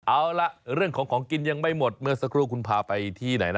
เอาล่ะเรื่องของของกินยังไม่หมดเมื่อสักครู่คุณพาไปที่ไหนนะ